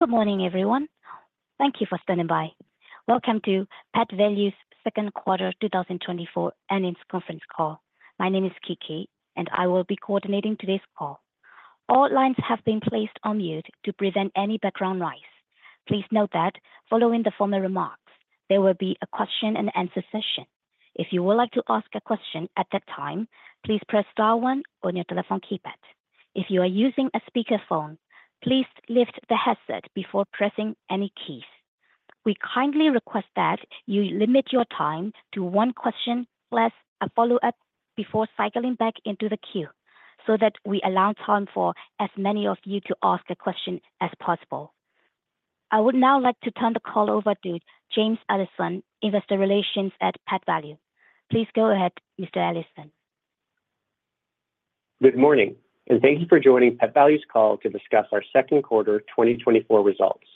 Good morning, everyone. Thank you for standing by. Welcome to Pet Valu's Q2 2024 Earnings Conference Call. My name is Kiki, and I will be coordinating today's call. All lines have been placed on mute to prevent any background noise. Please note that following the formal remarks, there will be a question and answer session. If you would like to ask a question at that time, please press star one on your telephone keypad. If you are using a speakerphone, please lift the headset before pressing any keys. We kindly request that you limit your time to one question plus a follow-up before cycling back into the queue, so that we allow time for as many of you to ask a question as possible. I would now like to turn the call over to James Allison, Investor Relations at Pet Valu. Please go ahead, Mr. Allison. Good morning, and thank you for joining Pet Valu's call to discuss our Q2 2024 results,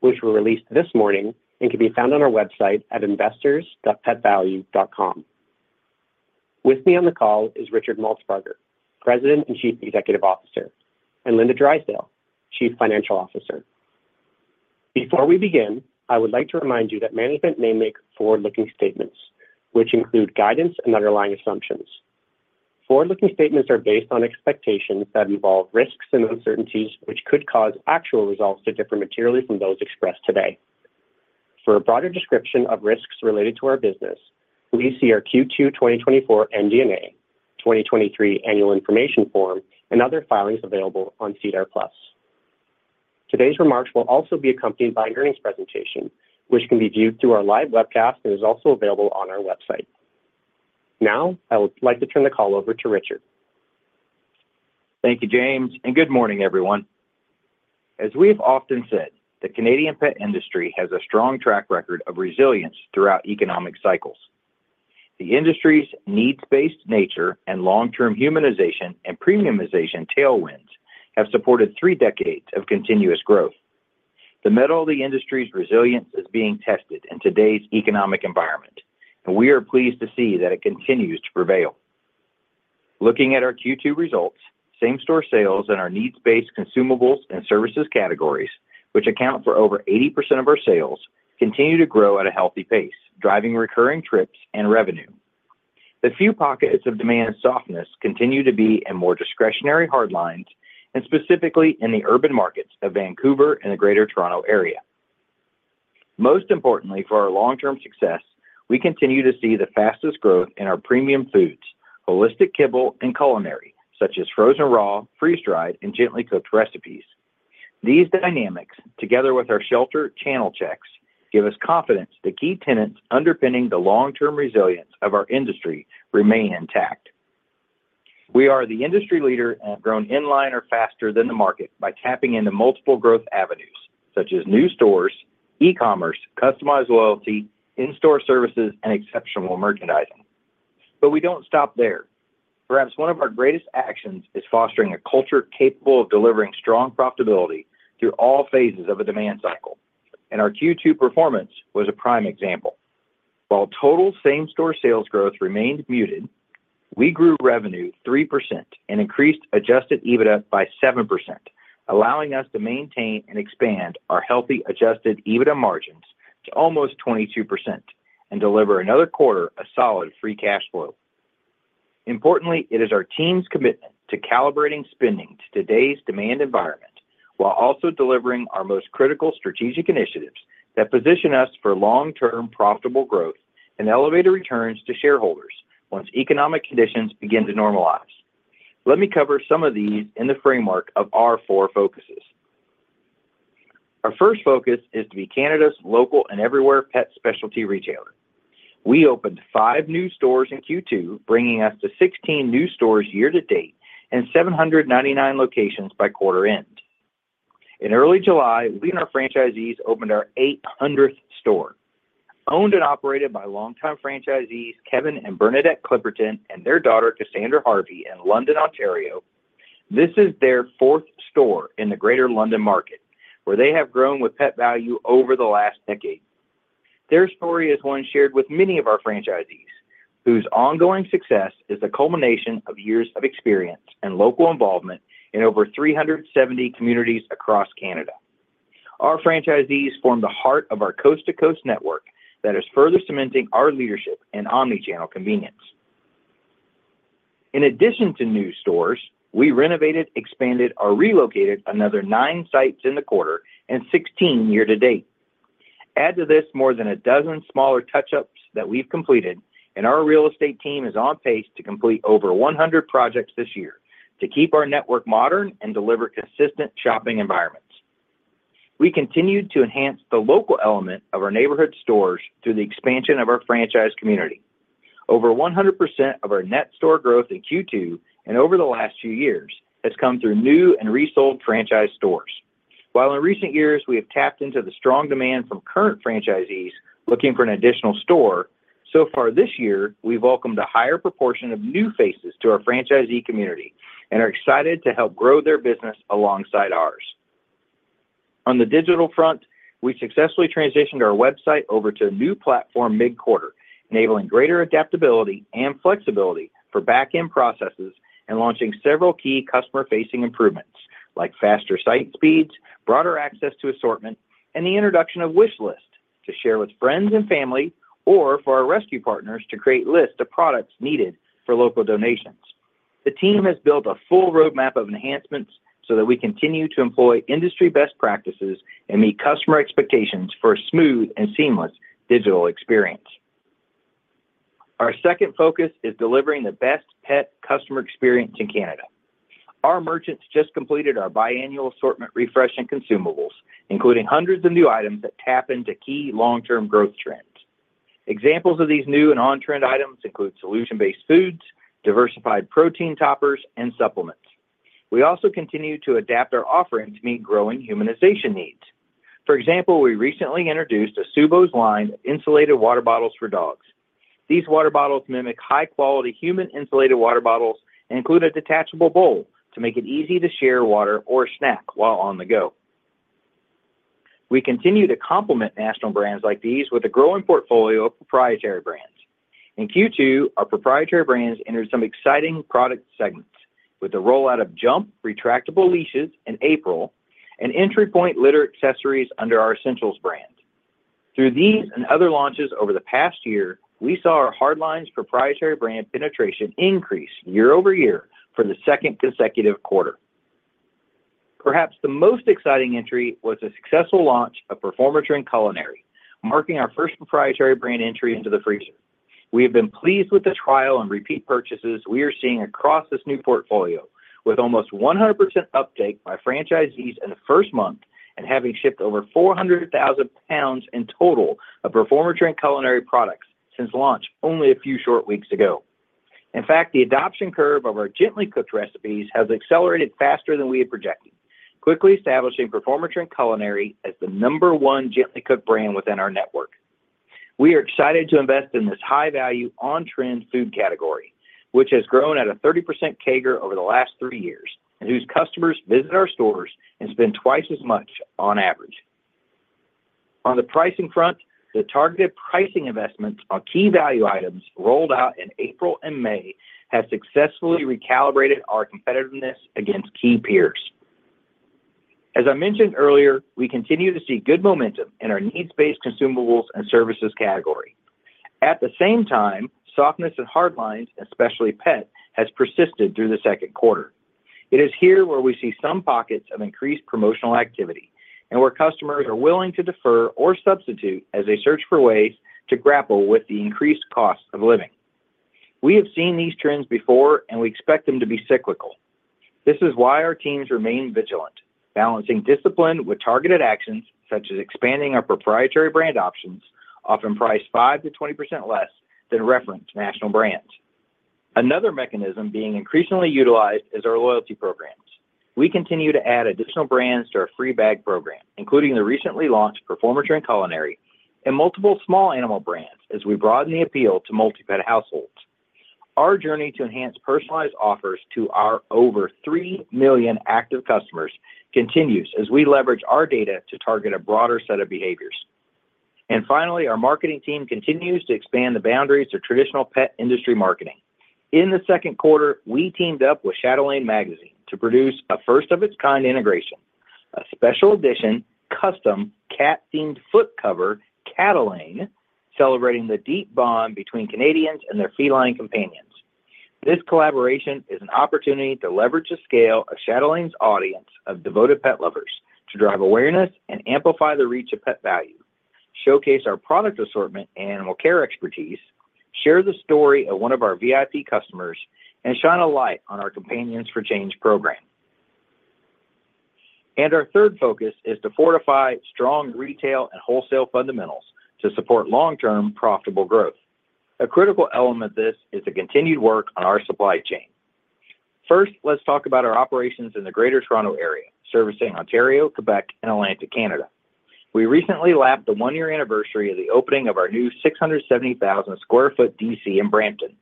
which were released this morning and can be found on our website at investors.petvalu.com. With me on the call is Richard Maltsbarger, President and Chief Executive Officer, and Linda Drysdale, Chief Financial Officer. Before we begin, I would like to remind you that management may make forward-looking statements, which include guidance and underlying assumptions. Forward-looking statements are based on expectations that involve risks and uncertainties, which could cause actual results to differ materially from those expressed today. For a broader description of risks related to our business, please see our Q2 2024 MD&A, 2023 annual information form, and other filings available on SEDAR+. Today's remarks will also be accompanied by an earnings presentation, which can be viewed through our live webcast and is also available on our website. Now, I would like to turn the call over to Richard. Thank you, James, and good morning, everyone. As we've often said, the Canadian pet industry has a strong track record of resilience throughout economic cycles. The industry's needs-based nature and long-term humanization and premiumization tailwinds have supported three decades of continuous growth. The mettle of the industry's resilience is being tested in today's economic environment, and we are pleased to see that it continues to prevail. Looking at our Q2 results, same-store sales and our needs-based consumables and services categories, which account for over 80% of our sales, continue to grow at a healthy pace, driving recurring trips and revenue. The few pockets of demand softness continue to be in more discretionary hardlines and specifically in the urban markets of Vancouver and the Greater Toronto Area. Most importantly, for our long-term success, we continue to see the fastest growth in our premium foods, holistic kibble, and culinary, such as frozen raw, freeze-dried, and gently cooked recipes. These dynamics, together with our shelter channel checks, give us confidence the key tenets underpinning the long-term resilience of our industry remain intact. We are the industry leader and have grown in line or faster than the market by tapping into multiple growth avenues such as new stores, e-commerce, customized loyalty, in-store services, and exceptional merchandising. But we don't stop there. Perhaps one of our greatest actions is fostering a culture capable of delivering strong profitability through all phases of a demand cycle, and our Q2 performance was a prime example. While total same-store sales growth remained muted, we grew revenue 3% and increased adjusted EBITDA by 7%, allowing us to maintain and expand our healthy, adjusted EBITDA margins to almost 22% and deliver another quarter of solid free cash flow. Importantly, it is our team's commitment to calibrating spending to today's demand environment, while also delivering our most critical strategic initiatives that position us for long-term profitable growth and elevated returns to shareholders once economic conditions begin to normalize. Let me cover some of these in the framework of our four focuses. Our first focus is to be Canada's local and everywhere pet specialty retailer. We opened 5 new stores in Q2, bringing us to 16 new stores year to date and 799 locations by quarter end. In early July, we and our franchisees opened our 800th store. Owned and operated by longtime franchisees, Kevin and Bernadette Clipperton and their daughter, Cassandra Harvey, in London, Ontario. This is their fourth store in the greater London market, where they have grown with Pet Valu over the last decade. Their story is one shared with many of our franchisees, whose ongoing success is a culmination of years of experience and local involvement in over 370 communities across Canada. Our franchisees form the heart of our coast-to-coast network that is further cementing our leadership and omnichannel convenience. In addition to new stores, we renovated, expanded, or relocated another nine sites in the quarter and 16 year to date. Add to this more than a dozen smaller touch-ups that we've completed, and our real estate team is on pace to complete over 100 projects this year to keep our network modern and deliver consistent shopping environments. We continued to enhance the local element of our neighborhood stores through the expansion of our franchise community. Over 100% of our net store growth in Q2 and over the last few years has come through new and resold franchise stores. While in recent years, we have tapped into the strong demand from current franchisees looking for an additional store, so far this year, we've welcomed a higher proportion of new faces to our franchisee community and are excited to help grow their business alongside ours. On the digital front, we successfully transitioned our website over to a new platform mid-quarter. Enabling greater adaptability and flexibility for back-end processes and launching several key customer-facing improvements, like faster site speeds, broader access to assortment, and the introduction of wish list to share with friends and family, or for our rescue partners to create lists of products needed for local donations. The team has built a full roadmap of enhancements so that we continue to employ industry best practices and meet customer expectations for a smooth and seamless digital experience. Our second focus is delivering the best pet customer experience in Canada. Our merchants just completed our biannual assortment refresh in consumables, including hundreds of new items that tap into key long-term growth trends. Examples of these new and on-trend items include solution-based foods, diversified protein toppers, and supplements. We also continue to adapt our offering to meet growing humanization needs. For example, we recently introduced an Asobu line of insulated water bottles for dogs. These water bottles mimic high-quality human insulated water bottles and include a detachable bowl to make it easy to share water or snack while on the go. We continue to complement national brands like these with a growing portfolio of proprietary brands. In Q2, our proprietary brands entered some exciting product segments with the rollout of Jump retractable leashes in April and entry point litter accessories under our Essentials brand. Through these and other launches over the past year, we saw our hard lines proprietary brand penetration increase year-over-year for the second consecutive quarter. Perhaps the most exciting entry was the successful launch of Performatrin Culinary, marking our first proprietary brand entry into the freezer. We have been pleased with the trial and repeat purchases we are seeing across this new portfolio, with almost 100% uptake by franchisees in the first month and having shipped over 400,000 pounds in total of Performatrin Culinary products since launch only a few short weeks ago. In fact, the adoption curve of our gently cooked recipes has accelerated faster than we had projected, quickly establishing Performatrin Culinary as the number one gently cooked brand within our network. We are excited to invest in this high-value, on-trend food category, which has grown at a 30% CAGR over the last three years, and whose customers visit our stores and spend twice as much on average. On the pricing front, the targeted pricing investments on key value items rolled out in April and May have successfully recalibrated our competitiveness against key peers. As I mentioned earlier, we continue to see good momentum in our needs-based consumables and services category. At the same time, softness in hard lines, especially pet, has persisted through the Q2. It is here where we see some pockets of increased promotional activity and where customers are willing to defer or substitute as they search for ways to grapple with the increased cost of living. We have seen these trends before, and we expect them to be cyclical. This is why our teams remain vigilant, balancing discipline with targeted actions, such as expanding our proprietary brand options, often priced 5%-20% less than reference national brands. Another mechanism being increasingly utilized is our loyalty programs. We continue to add additional brands to our free bag program, including the recently launched Performatrin Culinary and multiple small animal brands, as we broaden the appeal to multi-pet households. Our journey to enhance personalized offers to our over 3 million active customers continues as we leverage our data to target a broader set of behaviors. And finally, our marketing team continues to expand the boundaries of traditional pet industry marketing. In the Q2, we teamed up with Chatelaine Magazine to produce a first-of-its-kind integration, a special edition, custom, cat-themed cover, Catelaine, celebrating the deep bond between Canadians and their feline companions. This collaboration is an opportunity to leverage the scale of Chatelaine's audience of devoted pet lovers to drive awareness and amplify the reach of Pet Valu, showcase our product assortment and animal care expertise, share the story of one of our VIP customers, and shine a light on our Companions for Change program. And our third focus is to fortify strong retail and wholesale fundamentals to support long-term profitable growth. A critical element of this is the continued work on our supply chain. First, let's talk about our operations in the Greater Toronto Area, servicing Ontario, Quebec, and Atlantic Canada. We recently lapped the one-year anniversary of the opening of our new 670,000 sq ft DC in Brampton.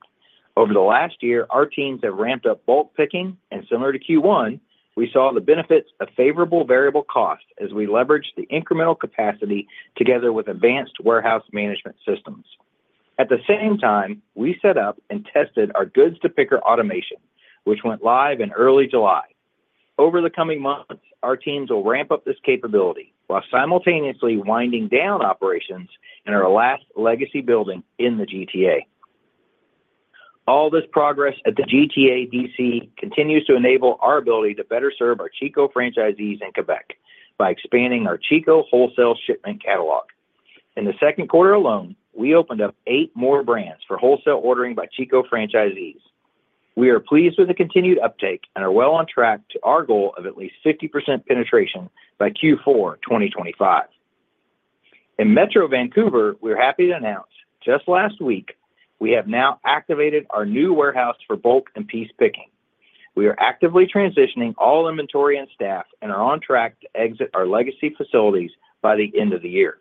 Over the last year, our teams have ramped up bulk picking, and similar to Q1, we saw the benefits of favorable variable costs as we leveraged the incremental capacity together with advanced warehouse management systems. At the same time, we set up and tested our goods-to-picker automation, which went live in early July. Over the coming months, our teams will ramp up this capability while simultaneously winding down operations in our last legacy building in the GTA. All this progress at the GTA DC continues to enable our ability to better serve our Chico franchisees in Quebec by expanding our Chico wholesale shipment catalog. In the Q2 alone, we opened up eight more brands for wholesale ordering by Chico franchisees. We are pleased with the continued uptake and are well on track to our goal of at least 50% penetration by Q4 2025. In Metro Vancouver, we're happy to announce just last week, we have now activated our new warehouse for bulk and piece picking. We are actively transitioning all inventory and staff and are on track to exit our legacy facilities by the end of the year.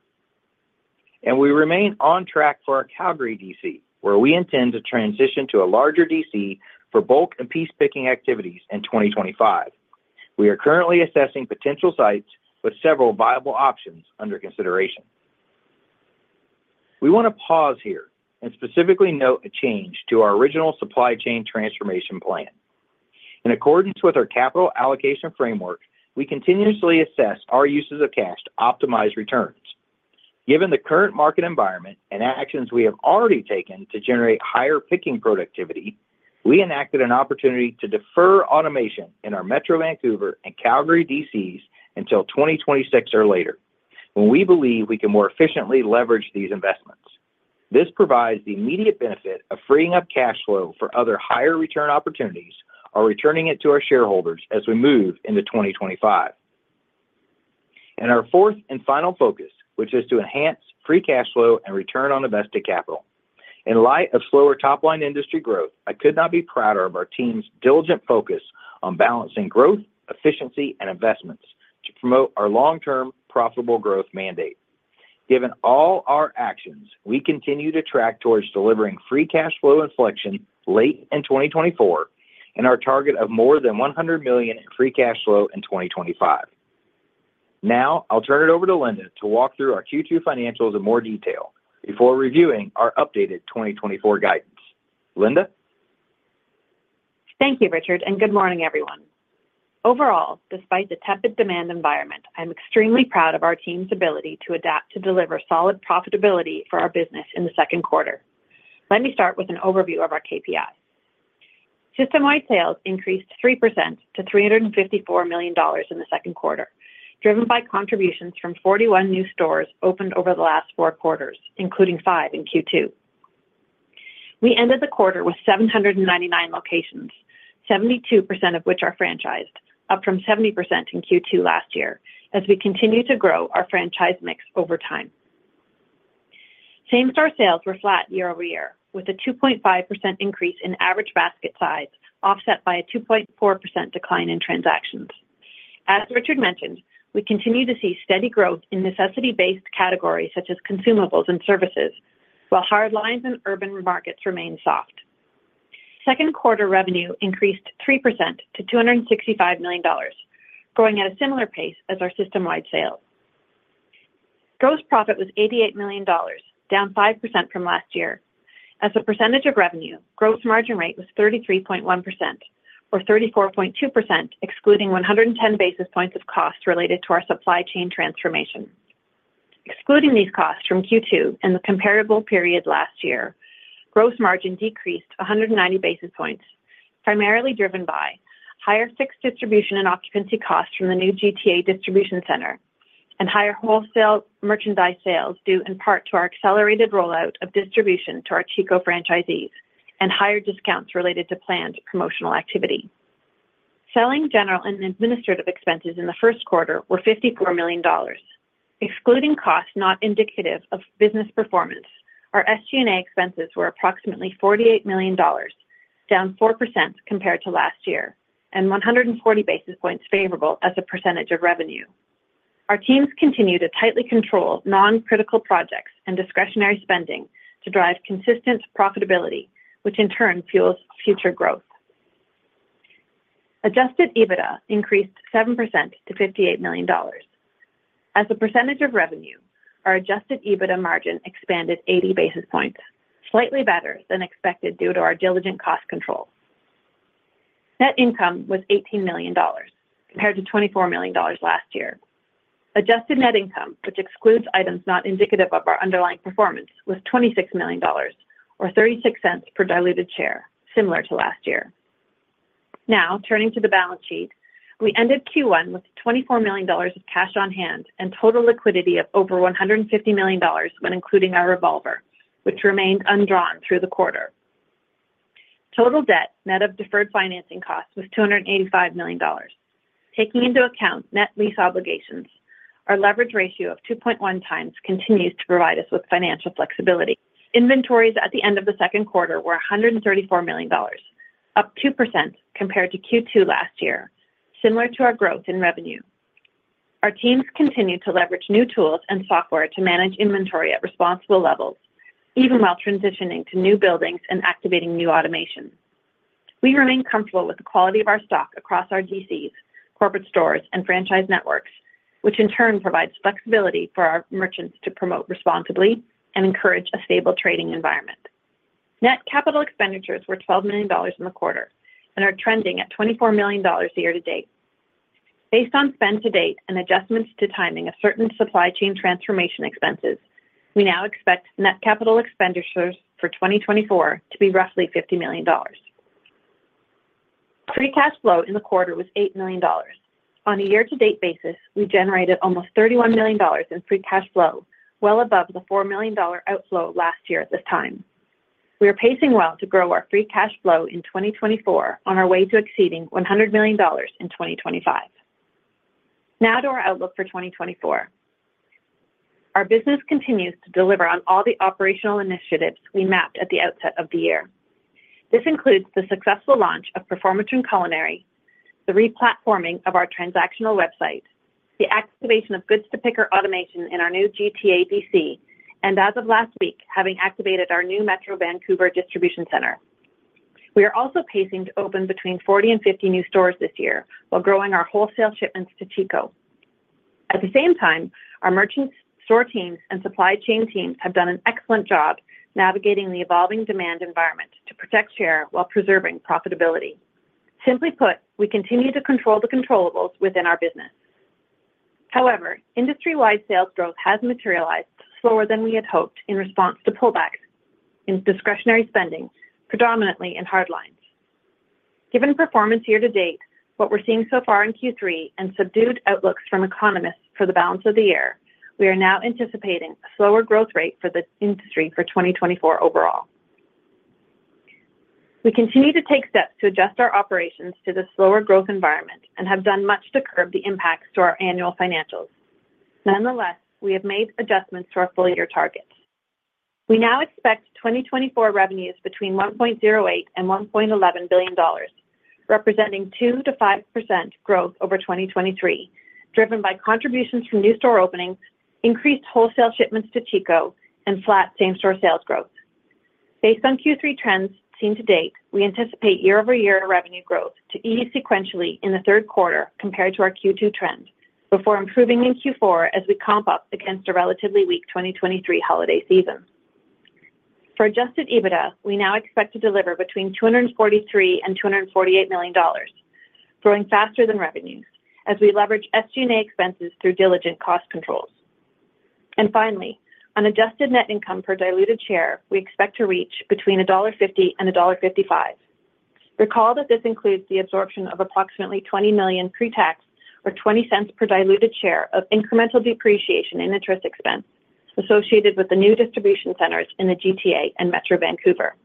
We remain on track for our Calgary DC, where we intend to transition to a larger DC for bulk and piece picking activities in 2025. We are currently assessing potential sites with several viable options under consideration. We want to pause here and specifically note a change to our original supply chain transformation plan. In accordance with our capital allocation framework, we continuously assess our uses of cash to optimize returns. Given the current market environment and actions we have already taken to generate higher picking productivity, we enacted an opportunity to defer automation in our Metro Vancouver and Calgary DCs until 2026 or later, when we believe we can more efficiently leverage these investments. This provides the immediate benefit of freeing up cash flow for other higher return opportunities or returning it to our shareholders as we move into 2025. Our fourth and final focus, which is to enhance free cash flow and return on invested capital. In light of slower top-line industry growth, I could not be prouder of our team's diligent focus on balancing growth, efficiency, and investments to promote our long-term profitable growth mandate. Given all our actions, we continue to track towards delivering free cash flow inflection late in 2024 and our target of more than 100 million in free cash flow in 2025. Now, I'll turn it over to Linda to walk through our Q2 financials in more detail before reviewing our updated 2024 guidance. Linda? Thank you, Richard, and good morning, everyone. Overall, despite the tepid demand environment, I'm extremely proud of our team's ability to adapt to deliver solid profitability for our business in the Q2. Let me start with an overview of our KPIs. System-wide sales increased 3% to 354 million dollars in the Q2, driven by contributions from 41 new stores opened over the last four quarters, including 5 in Q2. We ended the quarter with 799 locations, 72% of which are franchised, up from 70% in Q2 last year, as we continue to grow our franchise mix over time. Same-store sales were flat year over year, with a 2.5% increase in average basket size, offset by a 2.4% decline in transactions. As Richard mentioned, we continue to see steady growth in necessity-based categories such as consumables and services, while hard lines and urban markets remain soft. Q2 revenue increased 3% to 265 million dollars, growing at a similar pace as our system-wide sales. Gross profit was 88 million dollars, down 5% from last year. As a percentage of revenue, gross margin rate was 33.1% or 34.2%, excluding 110 basis points of costs related to our supply chain transformation. Excluding these costs from Q2 and the comparable period last year, gross margin decreased 190 basis points, primarily driven by higher fixed distribution and occupancy costs from the new GTA distribution center and higher wholesale merchandise sales, due in part to our accelerated rollout of distribution to our Chico franchisees and higher discounts related to planned promotional activity. Selling general and administrative expenses in the Q1 were 54 million dollars. Excluding costs not indicative of business performance, our SG&A expenses were approximately 48 million dollars, down 4% compared to last year, and 140 basis points favorable as a percentage of revenue. Our teams continue to tightly control non-critical projects and discretionary spending to drive consistent profitability, which in turn fuels future growth. Adjusted EBITDA increased 7% to 58 million dollars. As a percentage of revenue, our Adjusted EBITDA margin expanded 80 basis points, slightly better than expected due to our diligent cost control. Net income was 18 million dollars, compared to 24 million dollars last year. Adjusted net income, which excludes items not indicative of our underlying performance, was 26 million dollars or 0.36 per diluted share, similar to last year. Now, turning to the balance sheet, we ended Q1 with 24 million dollars of cash on hand and total liquidity of over 150 million dollars when including our revolver, which remained undrawn through the quarter. Total debt, net of deferred financing costs, was 285 million dollars. Taking into account net lease obligations, our leverage ratio of 2.1 times continues to provide us with financial flexibility. Inventories at the end of the Q2 were 134 million dollars, up 2% compared to Q2 last year, similar to our growth in revenue. Our teams continue to leverage new tools and software to manage inventory at responsible levels, even while transitioning to new buildings and activating new automation. We remain comfortable with the quality of our stock across our DCs, corporate stores, and franchise networks, which in turn provides flexibility for our merchants to promote responsibly and encourage a stable trading environment. Net capital expenditures were 12 million dollars in the quarter and are trending at 24 million dollars year to date. Based on spend to date and adjustments to timing of certain supply chain transformation expenses, we now expect net capital expenditures for 2024 to be roughly 50 million dollars. free cash flow in the quarter was 8 million dollars. On a year-to-date basis, we generated almost 31 million dollars in free cash flow, well above the 4 million dollar outflow last year at this time. We are pacing well to grow our free cash flow in 2024 on our way to exceeding 100 million dollars in 2025. Now to our outlook for 2024. Our business continues to deliver on all the operational initiatives we mapped at the outset of the year. This includes the successful launch of Performatrin Culinary, the re-platforming of our transactional website, the activation of goods-to-picker automation in our new GTA DC, and as of last week, having activated our new Metro Vancouver distribution center. We are also pacing to open between 40 and 50 new stores this year, while growing our wholesale shipments to Chico. At the same time, our merchant store teams and supply chain teams have done an excellent job navigating the evolving demand environment to protect share while preserving profitability. Simply put, we continue to control the controllables within our business. However, industry-wide sales growth has materialized slower than we had hoped in response to pullbacks in discretionary spending, predominantly in hard lines. Given performance year to date, what we're seeing so far in Q3, and subdued outlooks from economists for the balance of the year, we are now anticipating a slower growth rate for the industry for 2024 overall. We continue to take steps to adjust our operations to the slower growth environment and have done much to curb the impacts to our annual financials. Nonetheless, we have made adjustments to our full year targets. We now expect 2024 revenues between 1.08 billion and 1.11 billion dollars, representing 2%-5% growth over 2023, driven by contributions from new store openings, increased wholesale shipments to Chico, and flat same-store sales growth. Based on Q3 trends seen to date, we anticipate year-over-year revenue growth to ease sequentially in the Q3 compared to our Q2 trends, before improving in Q4 as we comp up against a relatively weak 2023 holiday season. For adjusted EBITDA, we now expect to deliver between 243 million and 248 million dollars, growing faster than revenues as we leverage SG&A expenses through diligent cost controls. And finally, on adjusted net income per diluted share, we expect to reach between dollar 1.50 and dollar 1.55. Recall that this includes the absorption of approximately 20 million pre-tax, or 0.20 per diluted share of incremental depreciation and interest expense associated with the new distribution centers in the GTA and Metro Vancouver.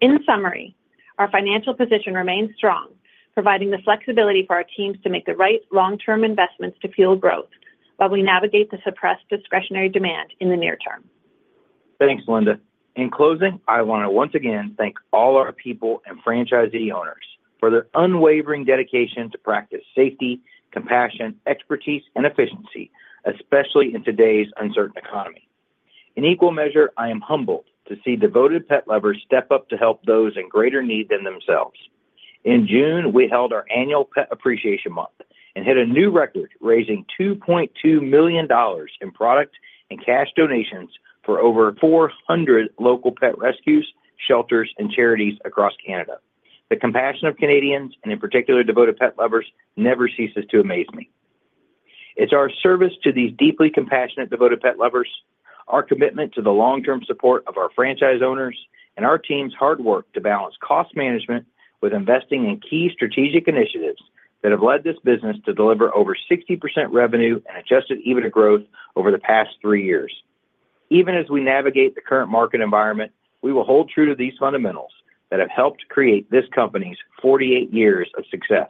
In summary, our financial position remains strong, providing the flexibility for our teams to make the right long-term investments to fuel growth while we navigate the suppressed discretionary demand in the near term. Thanks, Linda. In closing, I want to once again thank all our people and franchisee owners for their unwavering dedication to practice safety, compassion, expertise, and efficiency, especially in today's uncertain economy. In equal measure, I am humbled to see devoted pet lovers step up to help those in greater need than themselves. In June, we held our annual Pet Appreciation Month and hit a new record, raising 2.2 million dollars in product and cash donations for over 400 local pet rescues, shelters, and charities across Canada. The compassion of Canadians, and in particular, devoted pet lovers, never ceases to amaze me. It's our service to these deeply compassionate, devoted pet lovers, our commitment to the long-term support of our franchise owners, and our team's hard work to balance cost management with investing in key strategic initiatives that have led this business to deliver over 60% revenue and Adjusted EBITDA growth over the past three years. Even as we navigate the current market environment, we will hold true to these fundamentals that have helped create this company's 48 years of success.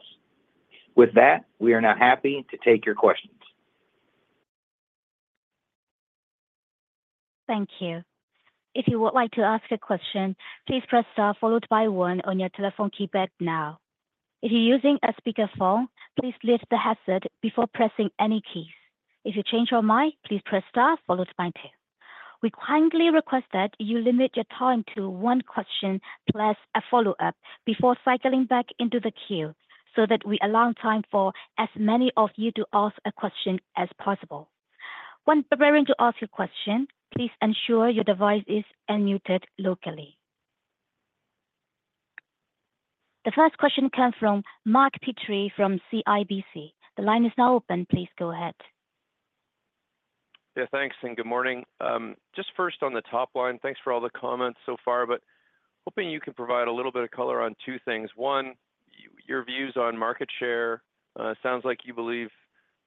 With that, we are now happy to take your questions. Thank you. If you would like to ask a question, please press star followed by one on your telephone keypad now. If you're using a speakerphone, please lift the headset before pressing any keys. If you change your mind, please press star followed by two. We kindly request that you limit your time to one question plus a follow-up before cycling back into the queue, so that we allow time for as many of you to ask a question as possible. When preparing to ask your question, please ensure your device is unmuted locally. The first question comes from Mark Petrie from CIBC. The line is now open. Please go ahead. Yeah, thanks, and good morning. Just first on the top line, thanks for all the comments so far, but hoping you can provide a little bit of color on two things. One, your views on market share. Sounds like you believe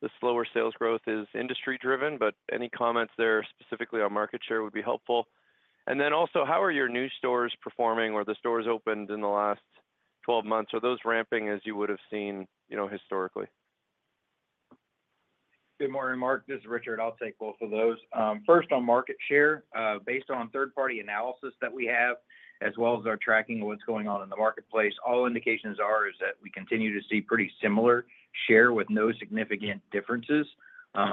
the slower sales growth is industry driven, but any comments there specifically on market share would be helpful. And then also, how are your new stores performing or the stores opened in the last 12 months? Are those ramping, as you would have seen, you know, historically? Good morning, Mark. This is Richard. I'll take both of those. First on market share, based on third-party analysis that we have, as well as our tracking of what's going on in the marketplace, all indications are, is that we continue to see pretty similar share with no significant differences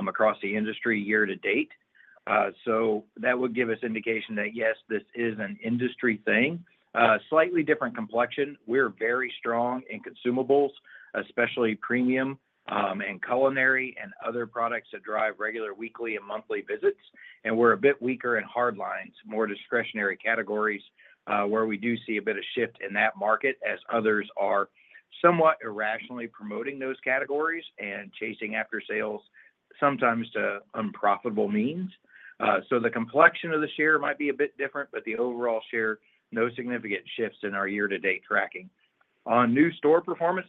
across the industry year to date. So that would give us indication that yes, this is an industry thing. Slightly different complexion. We're very strong in consumables, especially premium, and culinary and other products that drive regular, weekly, and monthly visits, and we're a bit weaker in hard lines, more discretionary categories, where we do see a bit of shift in that market as others are somewhat irrationally promoting those categories and chasing after sales, sometimes to unprofitable means. The complexion of the share might be a bit different, but the overall share. No significant shifts in our year-to-date tracking. On new store performance,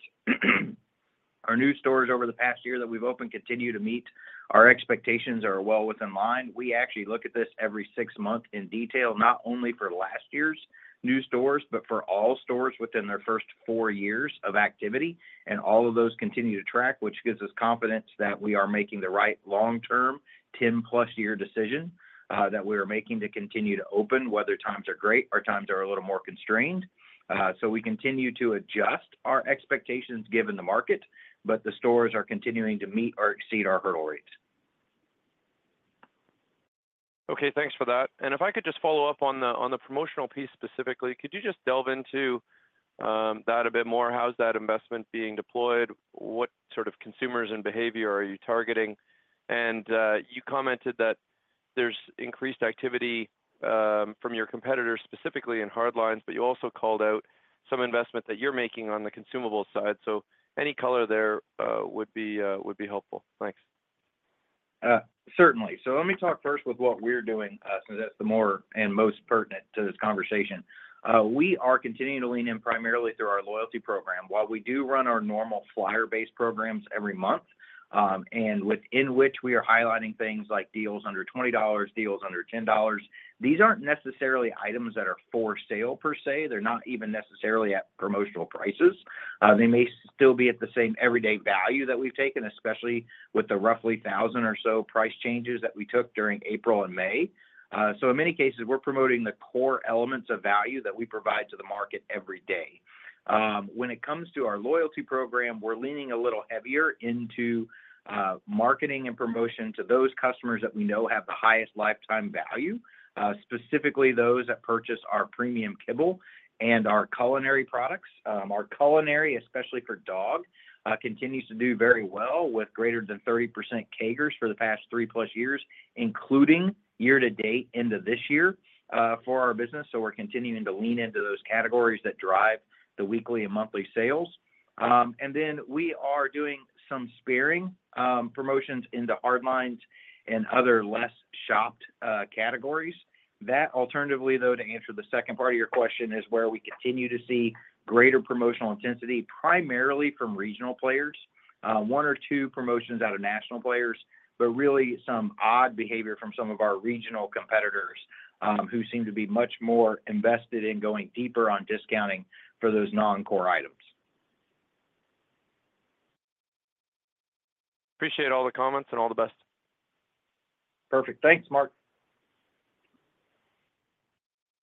our new stores over the past year that we've opened continue to meet our expectations. Are well within line. We actually look at this every 6 months in detail, not only for last year's new stores, but for all stores within their first 4 years of activity. And all of those continue to track, which gives us confidence that we are making the right long-term, 10+ year decision, that we are making to continue to open, whether times are great or times are a little more constrained. We continue to adjust our expectations given the market, but the stores are continuing to meet or exceed our hurdle rates.... Okay, thanks for that. And if I could just follow up on the promotional piece specifically, could you just delve into that a bit more? How's that investment being deployed? What sort of consumers and behavior are you targeting? And you commented that there's increased activity from your competitors, specifically in hard lines, but you also called out some investment that you're making on the consumable side. So any color there would be helpful. Thanks. Certainly. So let me talk first with what we're doing, since that's the more and most pertinent to this conversation. We are continuing to lean in primarily through our loyalty program. While we do run our normal flyer-based programs every month, and within which we are highlighting things like deals under 20 dollars, deals under 10 dollars, these aren't necessarily items that are for sale per se. They're not even necessarily at promotional prices. They may still be at the same everyday value that we've taken, especially with the roughly 1,000 or so price changes that we took during April and May. So in many cases, we're promoting the core elements of value that we provide to the market every day. When it comes to our loyalty program, we're leaning a little heavier into marketing and promotion to those customers that we know have the highest lifetime value, specifically those that purchase our premium kibble and our culinary products. Our culinary, especially for dog, continues to do very well with greater than 30% CAGRs for the past 3+ years, including year to date into this year, for our business. So we're continuing to lean into those categories that drive the weekly and monthly sales. And then we are doing some sparing promotions into hard lines and other less shopped categories. That alternatively, though, to answer the second part of your question, is where we continue to see greater promotional intensity, primarily from regional players. One or two promotions out of national players, but really some odd behavior from some of our regional competitors, who seem to be much more invested in going deeper on discounting for those non-core items. Appreciate all the comments, and all the best. Perfect. Thanks, Mark.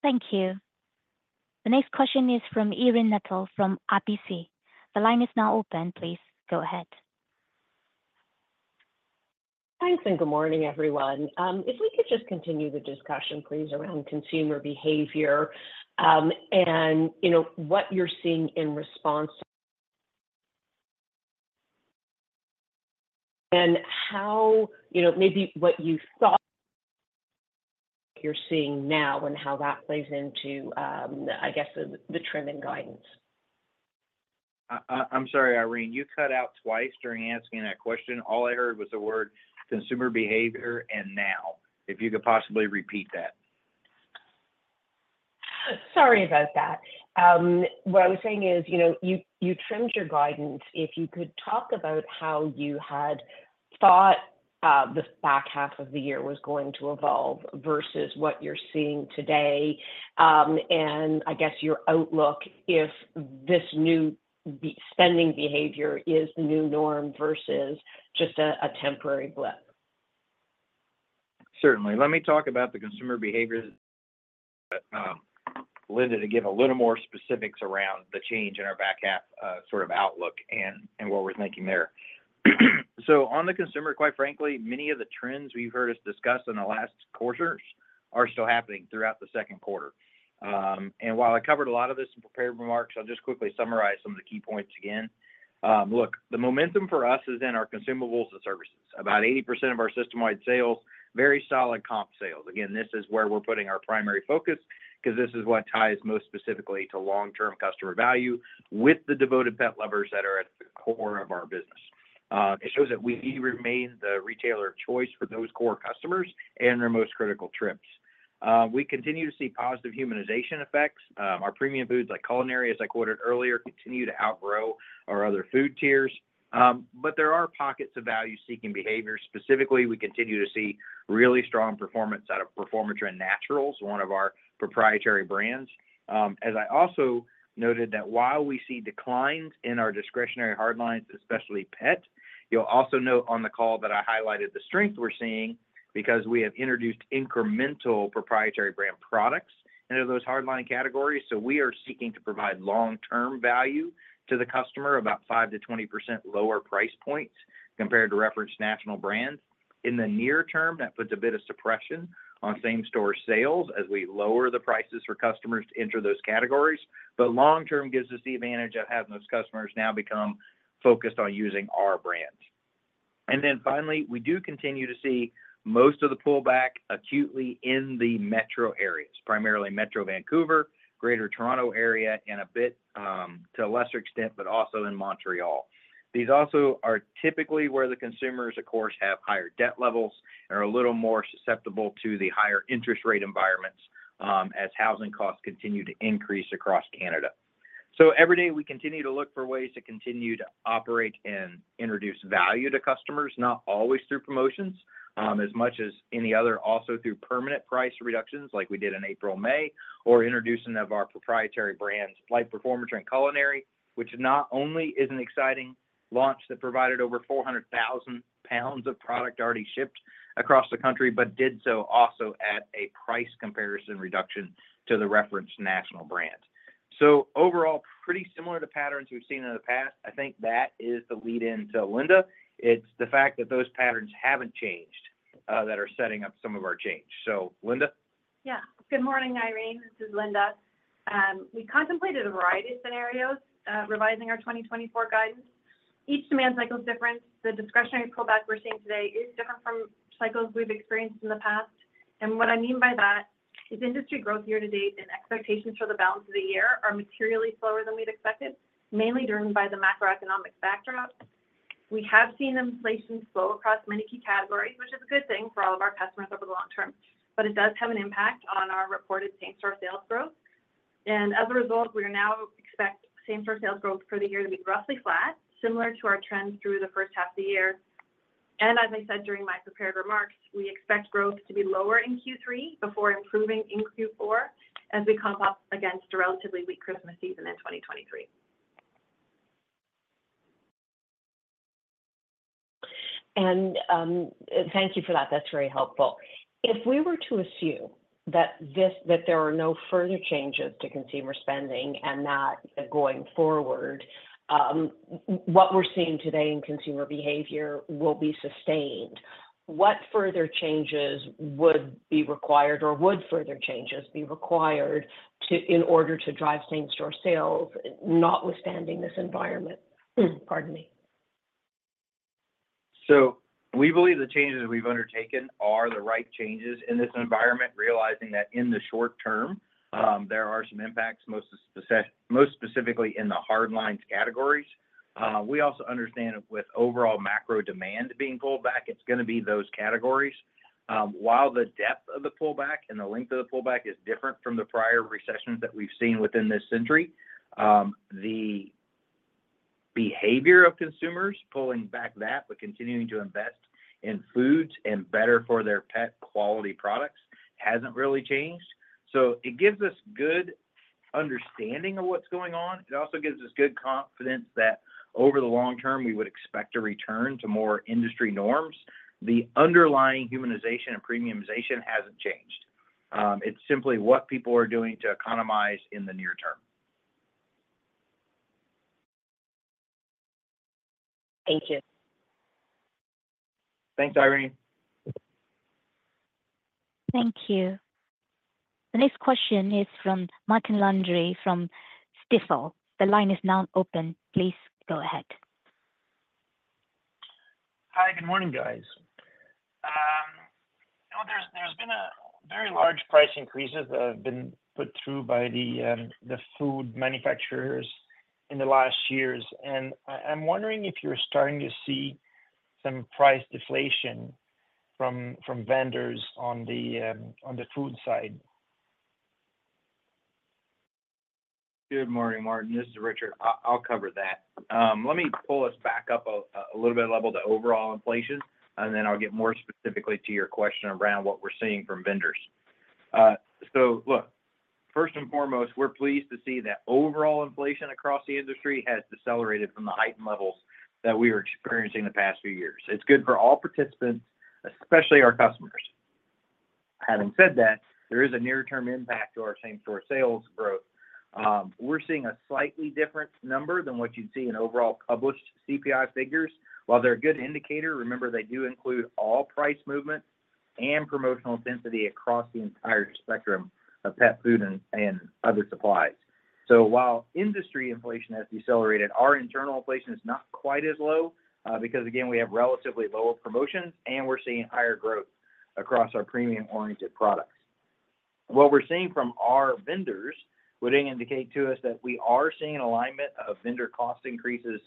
Thank you. The next question is from Irene Nattel from RBC Capital Markets. The line is now open. Please go ahead. Thanks, and good morning, everyone. If we could just continue the discussion, please, around consumer behavior, and you know, what you're seeing in response... And how, you know, maybe what you thought you're seeing now and how that plays into, I guess, the trim and guidance. I'm sorry, Irene, you cut out twice during answering that question. All I heard was the word consumer behavior, and now. If you could possibly repeat that. Sorry about that. What I was saying is, you know, you trimmed your guidance. If you could talk about how you had thought the back half of the year was going to evolve versus what you're seeing today, and I guess your outlook, if this new spending behavior is the new norm versus just a temporary blip. Certainly. Let me talk about the consumer behavior, Linda, to give a little more specifics around the change in our back half, sort of outlook and what we're thinking there. So on the consumer, quite frankly, many of the trends we've heard us discuss in the last quarters are still happening throughout the Q2. And while I covered a lot of this in prepared remarks, I'll just quickly summarize some of the key points again. Look, the momentum for us is in our consumables and services. About 80% of our system-wide sales, very solid comp sales. Again, this is where we're putting our primary focus, 'cause this is what ties most specifically to long-term customer value with the devoted pet lovers that are at the core of our business. It shows that we remain the retailer of choice for those core customers and their most critical trips. We continue to see positive humanization effects. Our premium foods, like culinary, as I quoted earlier, continue to outgrow our other food tiers. But there are pockets of value-seeking behavior. Specifically, we continue to see really strong performance out of Performatrin Naturals, one of our proprietary brands. As I also noted, that while we see declines in our discretionary hard lines, especially pet, you'll also note on the call that I highlighted the strength we're seeing because we have introduced incremental proprietary brand products into those hard line categories. So we are seeking to provide long-term value to the customer, about 5%-20% lower price points compared to reference national brands. In the near term, that puts a bit of suppression on same-store sales as we lower the prices for customers to enter those categories. But long term gives us the advantage of having those customers now become focused on using our brands. And then finally, we do continue to see most of the pullback acutely in the metro areas, primarily Metro Vancouver, Greater Toronto Area, and a bit, to a lesser extent, but also in Montreal. These also are typically where the consumers, of course, have higher debt levels and are a little more susceptible to the higher interest rate environments, as housing costs continue to increase across Canada. So every day, we continue to look for ways to continue to operate and introduce value to customers, not always through promotions, as much as any other, also through permanent price reductions, like we did in April, May, or introducing of our proprietary brands, like Performatrin Culinary, which not only is an exciting launch that provided over 400,000 pounds of product already shipped across the country, but did so also at a price comparison reduction to the referenced national brand. So overall, pretty similar to patterns we've seen in the past. I think that is the lead-in to Linda. It's the fact that those patterns haven't changed, that are setting up some of our change. So, Linda? Yeah. Good morning, Irene. This is Linda. We contemplated a variety of scenarios, revising our 2024 guidance. Each demand cycle is different. The discretionary pullback we're seeing today is different from cycles we've experienced in the past. What I mean by that is industry growth year to date and expectations for the balance of the year are materially slower than we'd expected, mainly driven by the macroeconomic backdrop. We have seen inflation slow across many key categories, which is a good thing for all of our customers over the long term, but it does have an impact on our reported same-store sales growth. As a result, we now expect same-store sales growth for the year to be roughly flat, similar to our trends through the first half of the year. As I said during my prepared remarks, we expect growth to be lower in Q3 before improving in Q4 as we comp up against a relatively weak Christmas season in 2023. Thank you for that. That's very helpful. If we were to assume that this-- that there are no further changes to consumer spending and that going forward, what we're seeing today in consumer behavior will be sustained, what further changes would be required, or would further changes be required to, in order to drive same-store sales, notwithstanding this environment? Pardon me. So we believe the changes we've undertaken are the right changes in this environment, realizing that in the short term, there are some impacts, most specifically in the Hard lines categories. We also understand with overall macro demand being pulled back, it's gonna be those categories. While the depth of the pullback and the length of the pullback is different from the prior recessions that we've seen within this century, the behavior of consumers pulling back that, but continuing to invest in foods and better for their pet quality products hasn't really changed. So it gives us good understanding of what's going on. It also gives us good confidence that over the long term, we would expect a return to more industry norms. The underlying humanization and premiumization hasn't changed. It's simply what people are doing to economize in the near term. Thank you. Thanks, Irene. Thank you. The next question is from Martin Landry from Stifel. The line is now open. Please go ahead. Hi, good morning, guys. You know, there's been a very large price increases that have been put through by the food manufacturers in the last years, and I'm wondering if you're starting to see some price deflation from vendors on the food side. Good morning, Martin. This is Richard. I'll cover that. Let me pull us back up a little bit to a higher level to overall inflation, and then I'll get more specifically to your question around what we're seeing from vendors. So look, first and foremost, we're pleased to see that overall inflation across the industry has decelerated from the heightened levels that we were experiencing the past few years. It's good for all participants, especially our customers. Having said that, there is a near-term impact to our same-store sales growth. We're seeing a slightly different number than what you'd see in overall published CPI figures. While they're a good indicator, remember, they do include all price movement and promotional intensity across the entire spectrum of pet food and other supplies. So while industry inflation has decelerated, our internal inflation is not quite as low, because, again, we have relatively lower promotions, and we're seeing higher growth across our premium-oriented products. What we're seeing from our vendors would indicate to us that we are seeing an alignment of vendor cost increases,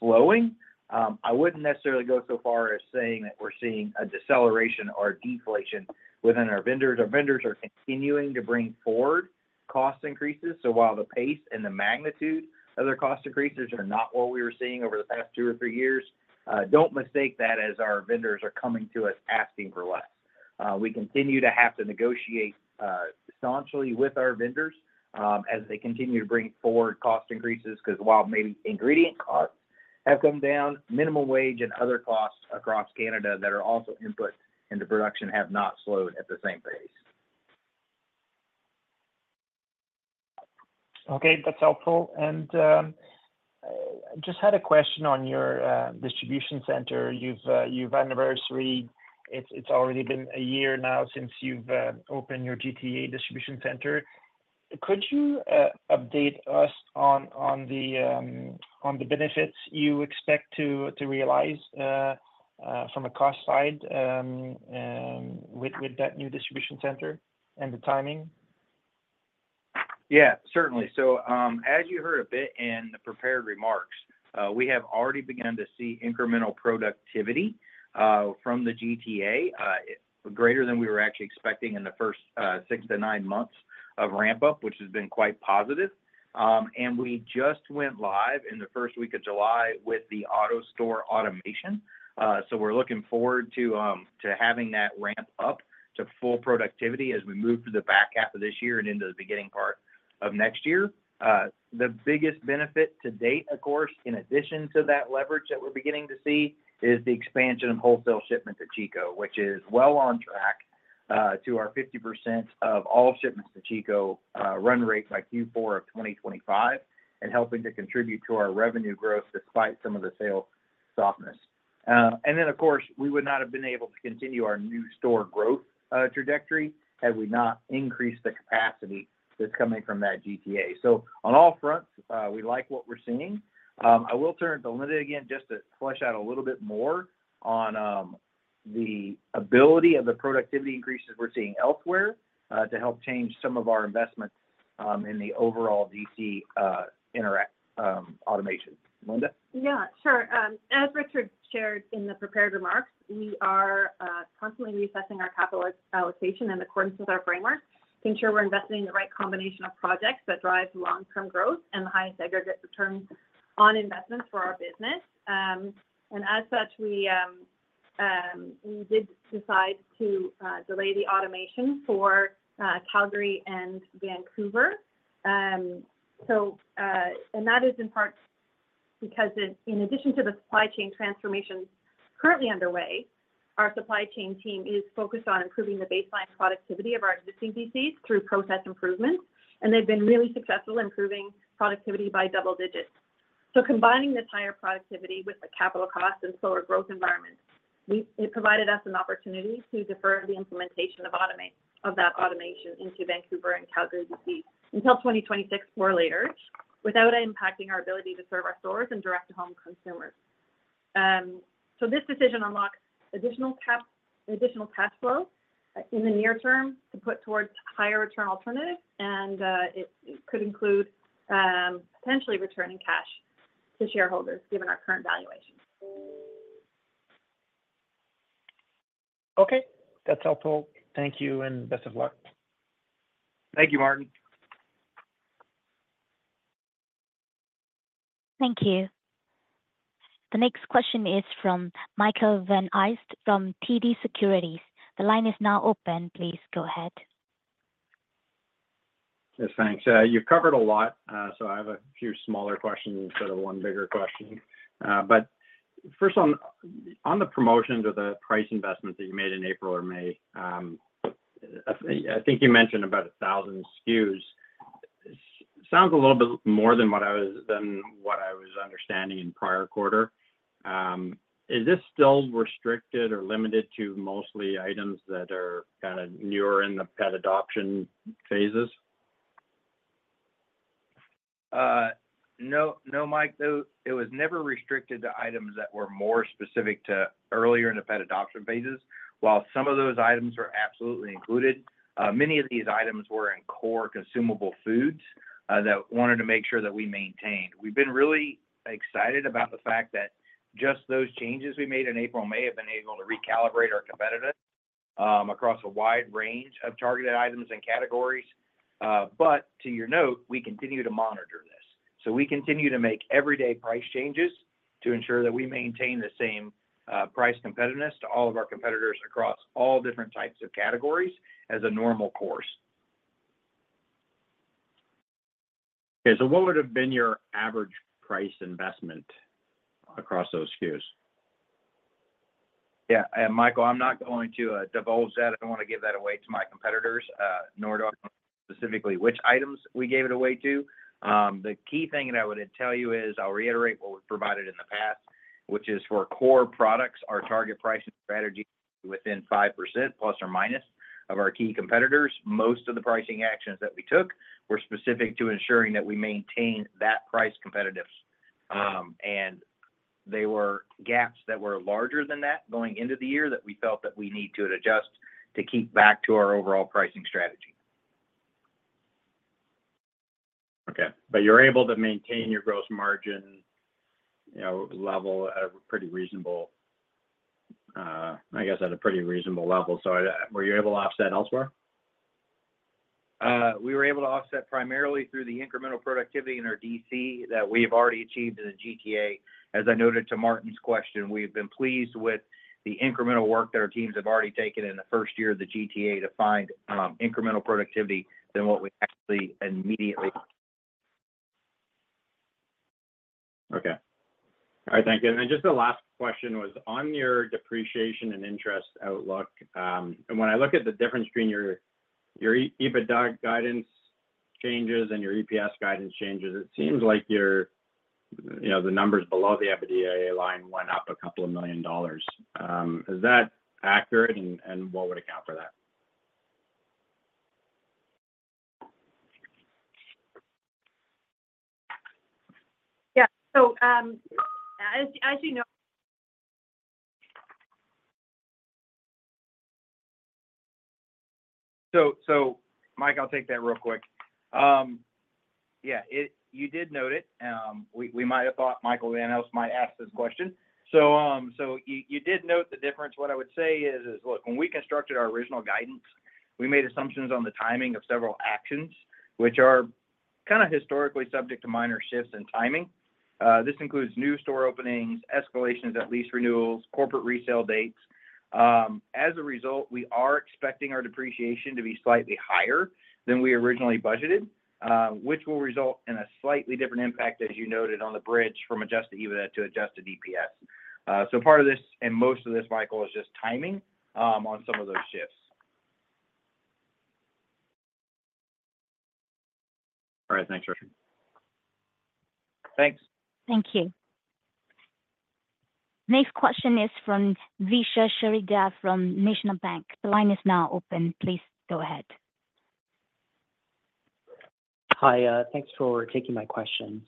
slowing. I wouldn't necessarily go so far as saying that we're seeing a deceleration or deflation within our vendors. Our vendors are continuing to bring forward cost increases, so while the pace and the magnitude of their cost increases are not what we were seeing over the past two or three years, don't mistake that as our vendors are coming to us asking for less. We continue to have to negotiate substantially with our vendors, as they continue to bring forward cost increases, because while maybe ingredient costs have come down, minimum wage and other costs across Canada that are also input into production have not slowed at the same pace. Okay, that's helpful. Just had a question on your distribution center. You've you've anniversary. It's already been a year now since you've opened your GTA distribution center. Could you update us on the benefits you expect to realize from a cost side with that new distribution center and the timing? Yeah, certainly. As you heard a bit in the prepared remarks, we have already begun to see incremental productivity from the GTA, greater than we were actually expecting in the first 6-9 months of ramp-up, which has been quite positive. We just went live in the first week of July with the AutoStore automation. So we're looking forward to having that ramp up to full productivity as we move through the back half of this year and into the beginning part of next year. The biggest benefit to date, of course, in addition to that leverage that we're beginning to see, is the expansion of wholesale shipments to Chico, which is well on track. To our 50% of all shipments to Chico run rates by Q4 of 2025, and helping to contribute to our revenue growth despite some of the sales softness. Then, of course, we would not have been able to continue our new store growth trajectory had we not increased the capacity that's coming from that GTA. So on all fronts, we like what we're seeing. I will turn it to Linda again just to flesh out a little bit more on the ability of the productivity increases we're seeing elsewhere to help offset some of our investments in the overall DC infrastructure automation. Linda? Yeah, sure. As Richard shared in the prepared remarks, we are constantly reassessing our capital allocation in accordance with our framework to ensure we're investing in the right combination of projects that drive long-term growth and the highest aggregate returns on investment for our business. And as such, we did decide to delay the automation for Calgary and Vancouver. So, and that is in part because in addition to the supply chain transformations currently underway, our supply chain team is focused on improving the baseline productivity of our existing DCs through process improvements. And they've been really successful improving productivity by double digits. So combining this higher productivity with the capital costs and slower growth environment, it provided us an opportunity to defer the implementation of automate, of that automation into Vancouver and Calgary DC until 2026 or later, without impacting our ability to serve our stores and direct-to-home consumers. So this decision unlocks additional cash flow in the near term to put towards higher return alternatives, and it could include potentially returning cash to shareholders, given our current valuation. Okay. That's helpful. Thank you, and best of luck. Thank you, Martin. Thank you. The next question is from Michael Van Aelst from TD Securities. The line is now open. Please go ahead. Yes, thanks. You've covered a lot, so I have a few smaller questions instead of one bigger question. But first on the promotions or the price investments that you made in April or May, I think you mentioned about 1,000 SKUs. Sounds a little bit more than what I was understanding in prior quarter. Is this still restricted or limited to mostly items that are kind of newer in the pet adoption phases? No. No, Mike, though it was never restricted to items that were more specific to earlier in the pet adoption phases. While some of those items were absolutely included, many of these items were in core consumable foods, that we wanted to make sure that we maintained. We've been really excited about the fact that just those changes we made in April and May have been able to recalibrate our competitive across a wide range of targeted items and categories. But to your note, we continue to monitor this. So we continue to make everyday price changes to ensure that we maintain the same price competitiveness to all of our competitors across all different types of categories as a normal course. Okay, so what would have been your average price investment across those SKUs? Yeah, Michael, I'm not going to divulge that. I don't want to give that away to my competitors, nor do I want to specifically which items we gave it away to. The key thing that I would tell you is, I'll reiterate what we've provided in the past, which is for core products, our target pricing strategy within ±5% of our key competitors. Most of the pricing actions that we took were specific to ensuring that we maintain that price competitiveness. And they were gaps that were larger than that going into the year that we felt that we need to adjust to keep back to our overall pricing strategy. Okay, but you're able to maintain your gross margin, you know, level at a pretty reasonable, I guess at a pretty reasonable level. So, were you able to offset elsewhere? We were able to offset primarily through the incremental productivity in our DC that we've already achieved in the GTA. As I noted to Martin's question, we've been pleased with the incremental work that our teams have already taken in the first year of the GTA to find, incremental productivity than what we actually immediately... Okay. All right, thank you. And then just the last question was on your depreciation and interest outlook. And when I look at the difference between your, your EBITDA guidance changes and your EPS guidance changes, it seems like your, you know, the numbers below the EBITDA line went up 2 million dollars. Is that accurate, and, and what would account for that? Yeah. So, as you know- So, Mike, I'll take that real quick. Yeah, it, you did note it. We might have thought Michael Van Aelst might ask this question. So you did note the difference. What I would say is, look, when we constructed our original guidance, we made assumptions on the timing of several actions, which are kind of historically subject to minor shifts in timing. This includes new store openings, escalations at lease renewals, corporate resale dates. As a result, we are expecting our depreciation to be slightly higher than we originally budgeted, which will result in a slightly different impact, as you noted on the bridge, from Adjusted EBITDA to Adjusted EPS. So part of this, and most of this, Michael, is just timing on some of those shifts. All right, thanks, Richard. Thanks. Thank you. Next question is from Vishal Shreedhar from National Bank Financial. The line is now open. Please go ahead. Hi, thanks for taking my questions.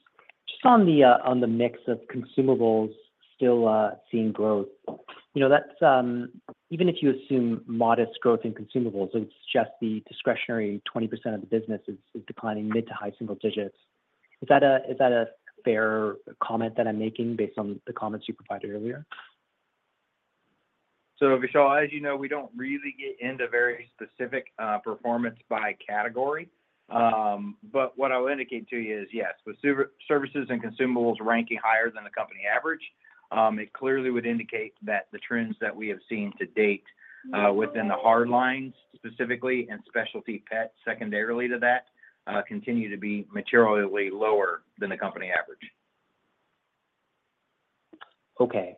Just on the, on the mix of consumables still, seeing growth. You know, that's, even if you assume modest growth in consumables, it's just the discretionary 20% of the business is, is declining mid to high-single digits. Is that a, is that a fair comment that I'm making based on the comments you provided earlier? So Vishal, as you know, we don't really get into very specific performance by category. But what I would indicate to you is, yes, with services and consumables ranking higher than the company average, it clearly would indicate that the trends that we have seen to date, within the hard lines specifically, and specialty pet secondarily to that, continue to be materially lower than the company average. Okay.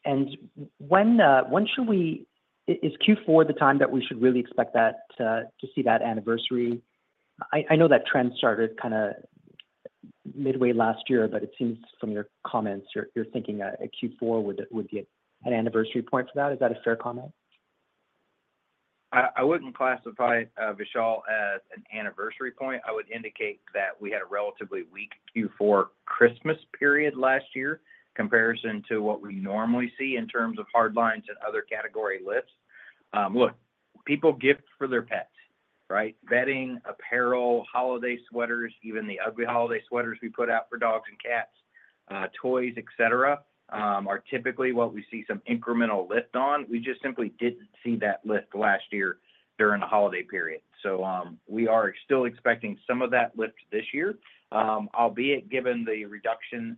When should we... Is Q4 the time that we should really expect that to see that anniversary? I know that trend started kinda midway last year, but it seems from your comments, you're thinking that a Q4 would be an anniversary point for that. Is that a fair comment? I wouldn't classify, Vishal, as an anniversary point. I would indicate that we had a relatively weak Q4 Christmas period last year, comparison to what we normally see in terms of hard lines and other category lifts. Look, people gift for their pets, right? Bedding, apparel, holiday sweaters, even the ugly holiday sweaters we put out for dogs and cats, toys, et cetera, are typically what we see some incremental lift on. We just simply didn't see that lift last year during the holiday period. So, we are still expecting some of that lift this year. Albeit given the reduction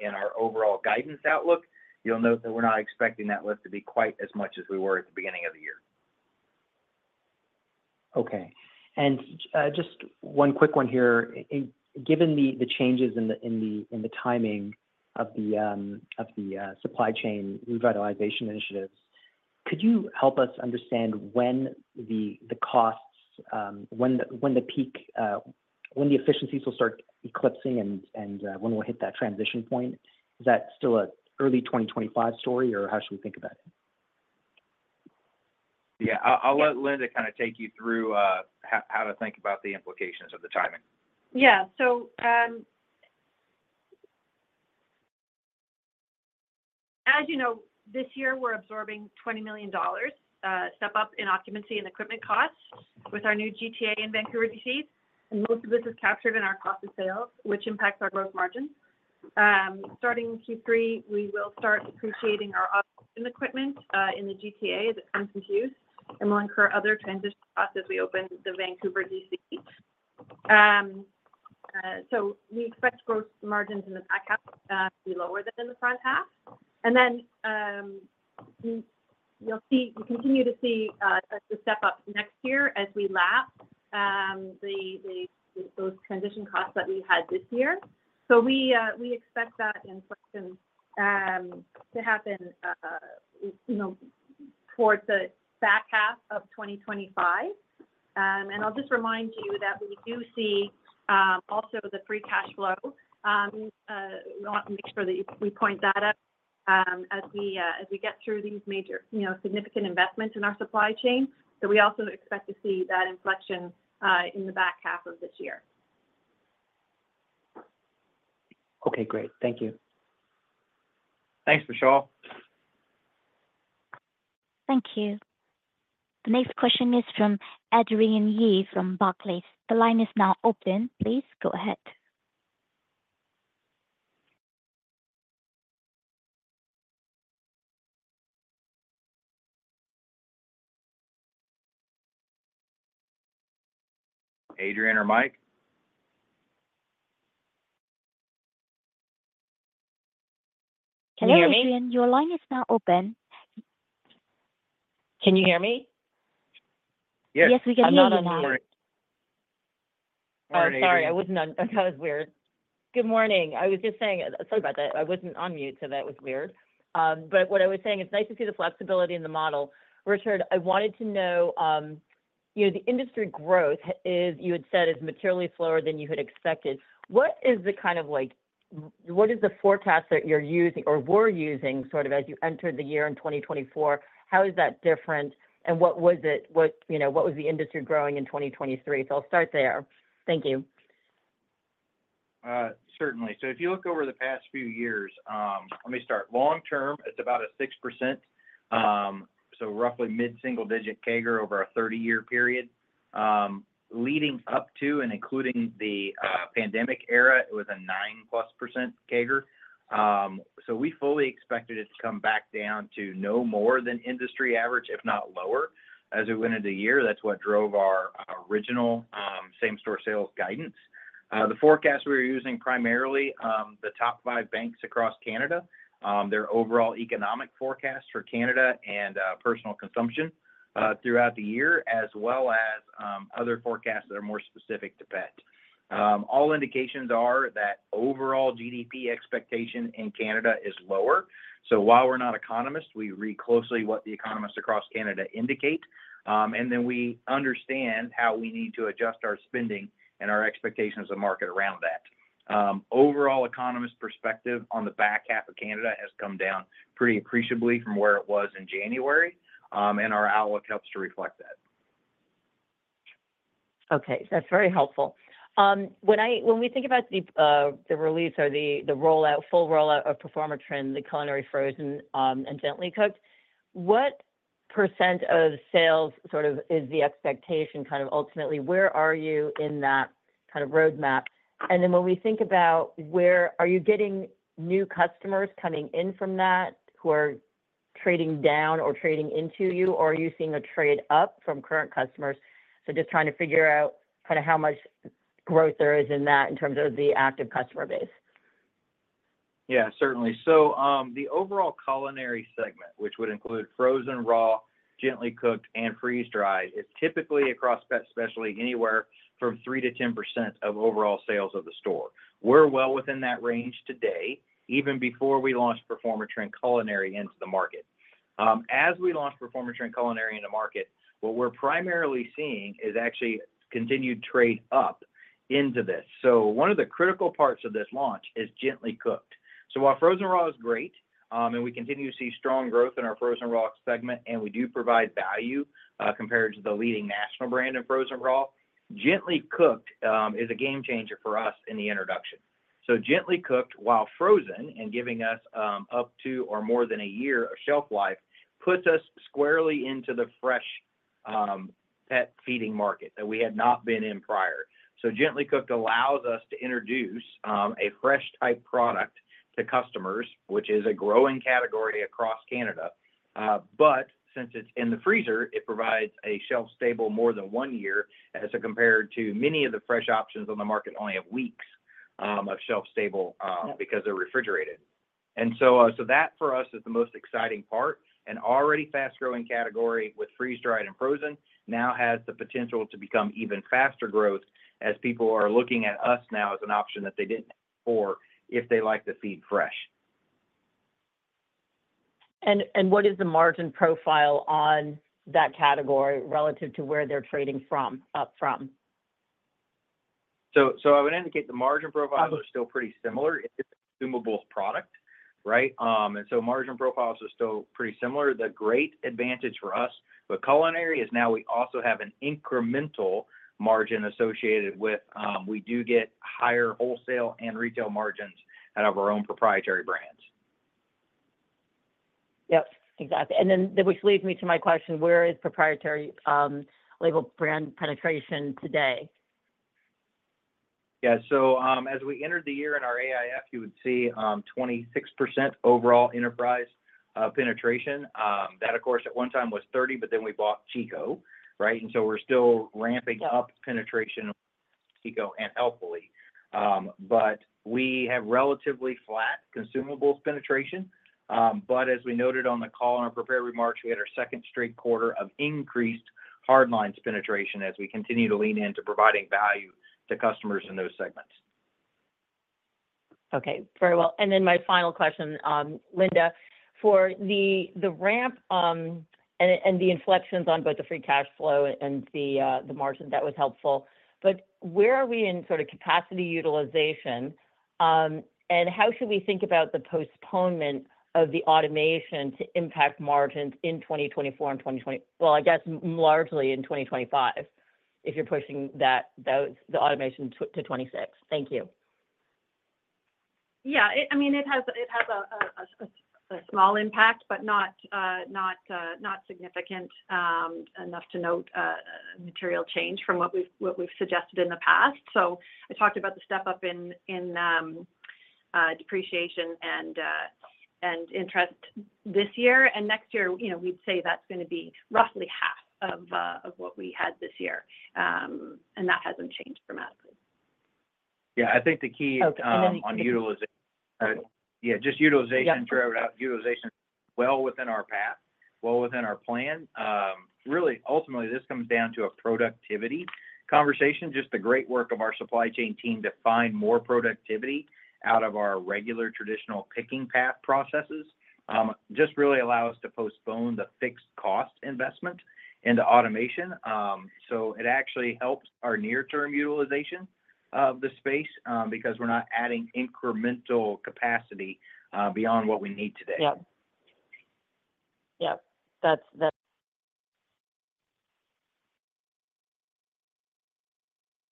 in our overall guidance outlook, you'll note that we're not expecting that lift to be quite as much as we were at the beginning of the year. Okay. And, just one quick one here. Given the changes in the timing of the supply chain revitalization initiatives, could you help us understand when the costs, when the peak, when the efficiencies will start eclipsing and, when we'll hit that transition point? Is that still an early 2025 story, or how should we think about it? Yeah. Yeah. I'll let Linda kind of take you through how to think about the implications of the timing. Yeah. So, as you know, this year, we're absorbing 20 million dollars step-up in occupancy and equipment costs with our new GTA and Vancouver DCs, and most of this is captured in our cost of sales, which impacts our gross margins. Starting in Q3, we will start appreciating our operation equipment in the GTA as it comes into use, and we'll incur other transition costs as we open the Vancouver DC. So we expect gross margins in the back half to be lower than in the front half. And then, you'll see us continue to step up next year as we lap those transition costs that we had this year. So we expect that inflection to happen, you know, towards the back half of 2025. And I'll just remind you that we do see also the free cash flow. We want to make sure that we point that out, as we, as we get through these major, you know, significant investments in our supply chain. So we also expect to see that inflection in the back half of this year. Okay, great. Thank you. Thanks, Vishal. Thank you. The next question is from Adrienne Yih from Barclays. The line is now open. Please go ahead. Adrienne, or Mike? Hello, Adrienne. Can you hear me? Your line is now open. Can you hear me? Yes. Yes, we can hear you now. I'm not on mute. All right, Adrienne- Oh, sorry, I wasn't on. That was weird. Good morning. I was just saying. Sorry about that. I wasn't on mute, so that was weird. But what I was saying, it's nice to see the flexibility in the model. Richard, I wanted to know, you know, the industry growth is, you had said, is materially slower than you had expected. What is the kind of like. What is the forecast that you're using or were using, sort of, as you entered the year in 2024? How is that different, and what was it, what, you know, what was the industry growing in 2023? So I'll start there. Thank you. Certainly. So if you look over the past few years, let me start. Long term, it's about a 6%, so roughly mid-single-digit CAGR over a 30-year period. Leading up to and including the pandemic era, it was a 9%+ CAGR. So we fully expected it to come back down to no more than industry average, if not lower, as we went into the year. That's what drove our original same-store sales guidance. The forecast we were using, primarily, the top five banks across Canada, their overall economic forecast for Canada and personal consumption throughout the year, as well as other forecasts that are more specific to pet. All indications are that overall GDP expectation in Canada is lower. So while we're not economists, we read closely what the economists across Canada indicate, and then we understand how we need to adjust our spending and our expectations of market around that. Overall economist perspective on the back half of Canada has come down pretty appreciably from where it was in January, and our outlook helps to reflect that. Okay, that's very helpful. When we think about the release or the rollout, full rollout of Performatrin Culinary frozen and gently cooked, what % of sales sort of is the expectation? Kind of ultimately, where are you in that kind of roadmap? And then when we think about where are you getting new customers coming in from that who are trading down or trading into you, or are you seeing a trade up from current customers? So just trying to figure out kind of how much growth there is in that in terms of the active customer base. Yeah, certainly. So, the overall culinary segment, which would include frozen raw, gently cooked, and freeze-dried, is typically across pet specialty, anywhere from 3%-10% of overall sales of the store. We're well within that range today, even before we launched Performatrin Culinary into the market. As we launched Performatrin Culinary into market, what we're primarily seeing is actually continued trade up into this. So one of the critical parts of this launch is gently cooked. So while frozen raw is great, and we continue to see strong growth in our frozen raw segment, and we do provide value, compared to the leading national brand in frozen raw, gently cooked is a game changer for us in the introduction. So gently cooked, while frozen and giving us up to or more than a year of shelf life, puts us squarely into the fresh pet feeding market that we had not been in prior. So gently cooked allows us to introduce a fresh type product to customers, which is a growing category across Canada. But since it's in the freezer, it provides a shelf stable more than one year, as compared to many of the fresh options on the market only have weeks of shelf stable. Yeah... because they're refrigerated. And so, so that for us is the most exciting part. An already fast-growing category with freeze-dried and frozen now has the potential to become even faster growth as people are looking at us now as an option that they didn't before, if they like to feed fresh. What is the margin profile on that category relative to where they're trading from, up from? So, I would indicate the margin profiles are still pretty similar. It's a consumable product, right? And so margin profiles are still pretty similar. The great advantage for us with culinary is now we also have an incremental margin associated with, we do get higher wholesale and retail margins out of our own proprietary brands. Yep, exactly. And then, which leads me to my question, where is proprietary label brand penetration today? Yeah, so, as we entered the year in our AIF, you would see 26% overall enterprise penetration. That of course at one time was 30, but then we bought Chico, right? And so we're still ramping up- Yeah... penetration Chico and healthily. But we have relatively flat consumables penetration. But as we noted on the call in our prepared remarks, we had our second straight quarter of increased hard lines penetration as we continue to lean in to providing value to customers in those segments. Okay, very well. And then my final question, Linda, for the ramp, and the inflections on both the free cash flow and the margin, that was helpful. But where are we in sort of capacity utilization, and how should we think about the postponement of the automation to impact margins in 2024 and 2025. Well, I guess largely in 2025, if you're pushing that, the automation to 2026. Thank you. Yeah, I mean, it has a small impact, but not significant enough to note a material change from what we've suggested in the past. So I talked about the step up in depreciation and interest this year and next year, you know, we'd say that's gonna be roughly half of what we had this year. And that hasn't changed dramatically. Yeah, I think the key. Okay, and then-... on utilization. Yeah, just utilization- Yeah... utilization well within our path, well within our plan. Really ultimately, this comes down to a productivity conversation, just the great work of our supply chain team to find more productivity out of our regular traditional picking path processes. Just really allow us to postpone the fixed cost investment into automation. So it actually helps our near-term utilization of the space, because we're not adding incremental capacity, beyond what we need today. Yep. Yep, that's, that's.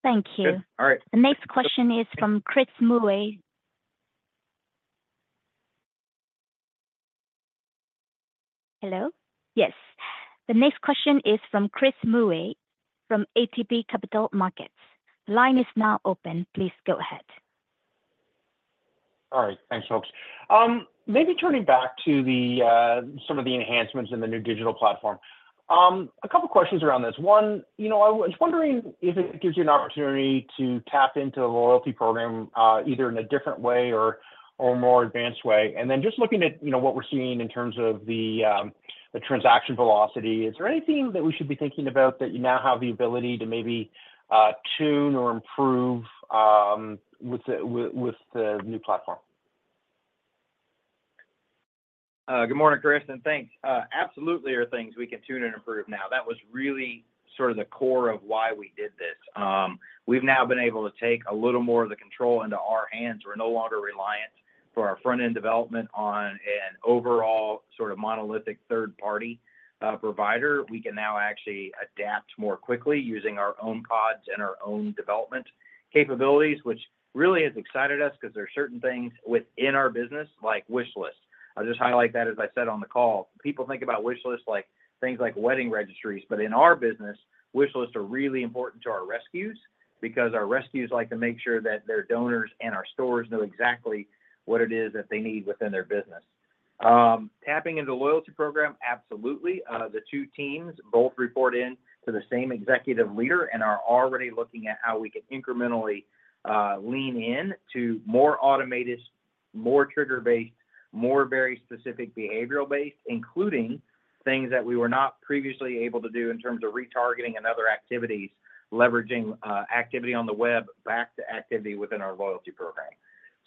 Thank you. Good. All right. The next question is from Chris Murray. Hello? Yes. The next question is from Chris Murray, from ATB Capital Markets. The line is now open, please go ahead. All right, thanks, folks. Maybe turning back to some of the enhancements in the new digital platform. A couple questions around this. One, you know, I was wondering if it gives you an opportunity to tap into the loyalty program, either in a different way or a more advanced way. And then just looking at, you know, what we're seeing in terms of the transaction velocity, is there anything that we should be thinking about that you now have the ability to maybe tune or improve with the new platform?... Good morning, Chris, and thanks. Absolutely there are things we can tune and improve now. That was really sort of the core of why we did this. We've now been able to take a little more of the control into our hands. We're no longer reliant for our front-end development on an overall sort of monolithic third-party provider. We can now actually adapt more quickly using our own pods and our own development capabilities, which really has excited us 'cause there are certain things within our business like wish lists. I'll just highlight that, as I said on the call, people think about wish lists like things like wedding registries, but in our business, wish lists are really important to our rescues because our rescues like to make sure that their donors and our stores know exactly what it is that they need within their business. Tapping into the loyalty program, absolutely. The two teams both report in to the same executive leader and are already looking at how we can incrementally lean in to more automated, more trigger-based, more very specific behavioral-based, including things that we were not previously able to do in terms of retargeting and other activities, leveraging activity on the web back to activity within our loyalty program.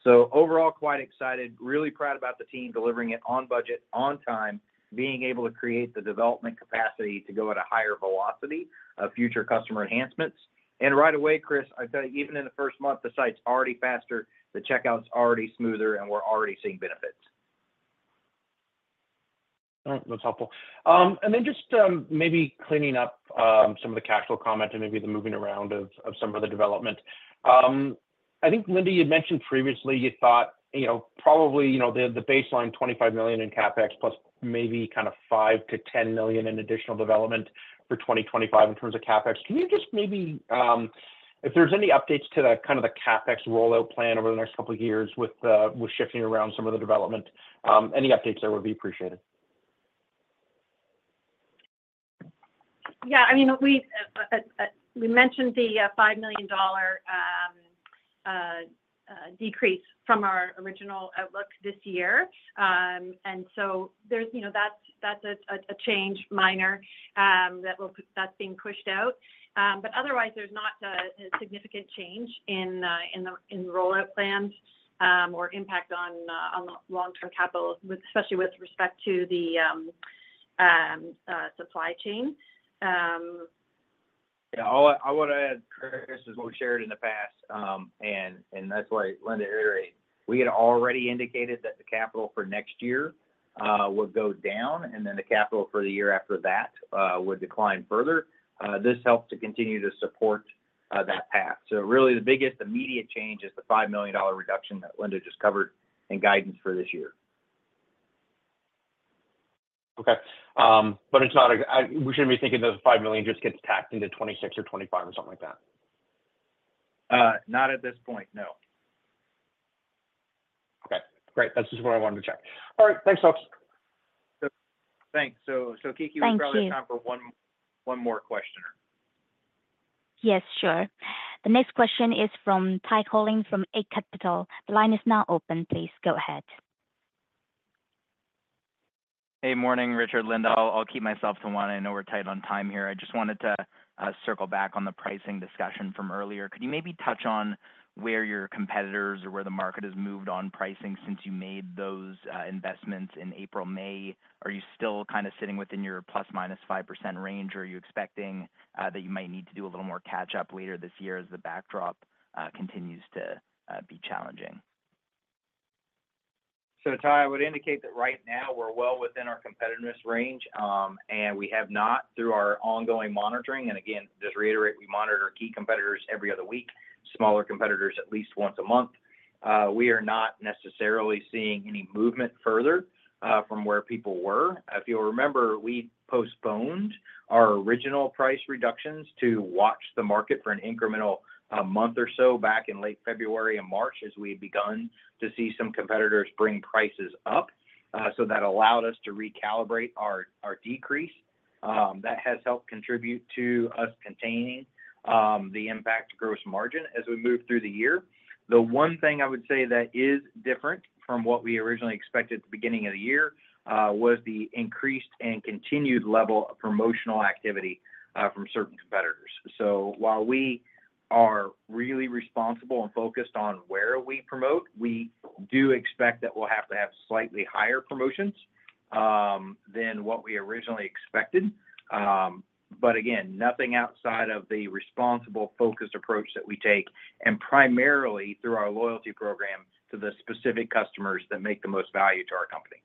Overall, quite excited, really proud about the team delivering it on budget, on time, being able to create the development capacity to go at a higher velocity of future customer enhancements. Right away, Chris, I'd tell you, even in the first month, the site's already faster, the checkout's already smoother, and we're already seeing benefits. All right. That's helpful. And then just maybe cleaning up some of the capital comment and maybe the moving around of some of the development. I think, Linda, you'd mentioned previously you thought, you know, probably, you know, the baseline 25 million in CapEx plus maybe kind of 5 million-10 million in additional development for 2025 in terms of CapEx. Can you just maybe if there's any updates to the kind of the CapEx rollout plan over the next couple of years with with shifting around some of the development, any updates there would be appreciated. Yeah, I mean, we mentioned the CAD 5 million decrease from our original outlook this year. And so there's, you know, that's a minor change that will... That's being pushed out. But otherwise, there's not a significant change in the rollout plans, or impact on long-term capital, especially with respect to the supply chain. Yeah, all I wanna add, Chris, is what we shared in the past, and that's why Linda reiterated. We had already indicated that the capital for next year would go down, and then the capital for the year after that would decline further. This helps to continue to support that path. So really the biggest immediate change is the 5 million dollar reduction that Linda just covered in guidance for this year. Okay. But it's not... We shouldn't be thinking those 5 million just gets tacked into 26 or 25 or something like that? Not at this point, no. Okay, great. That's just what I wanted to check. All right. Thanks, folks. So thanks. So, Kiki- Thank you. We probably have time for one more question. Yes, sure. The next question is from Ty Collin from Eight Capital. The line is now open. Please go ahead. Hey, morning, Richard, Linda. I'll keep myself to one. I know we're tight on time here. I just wanted to circle back on the pricing discussion from earlier. Could you maybe touch on where your competitors or where the market has moved on pricing since you made those investments in April, May? Are you still kind of sitting within your ±5% range, or are you expecting that you might need to do a little more catch-up later this year as the backdrop continues to be challenging? So Ty, I would indicate that right now we're well within our competitiveness range, and we have not, through our ongoing monitoring, and again, just to reiterate, we monitor key competitors every other week, smaller competitors at least once a month. We are not necessarily seeing any movement further from where people were. If you'll remember, we postponed our original price reductions to watch the market for an incremental month or so back in late February and March, as we had begun to see some competitors bring prices up. So that allowed us to recalibrate our, our decrease. That has helped contribute to us containing the impact to gross margin as we move through the year. The one thing I would say that is different from what we originally expected at the beginning of the year was the increased and continued level of promotional activity from certain competitors. So while we are really responsible and focused on where we promote, we do expect that we'll have to have slightly higher promotions than what we originally expected. But again, nothing outside of the responsible, focused approach that we take, and primarily through our loyalty program to the specific customers that make the most value to our company.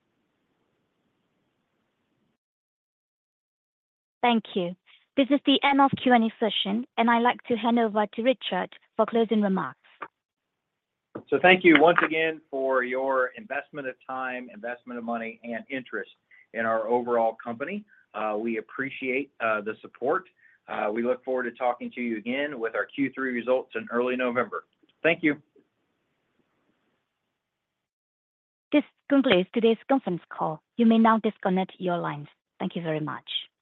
Thank you. This is the end of Q&A session, and I'd like to hand over to Richard for closing remarks. Thank you once again for your investment of time, investment of money, and interest in our overall company. We appreciate the support. We look forward to talking to you again with our Q3 results in early November. Thank you. This concludes today's conference call. You may now disconnect your lines. Thank you very much.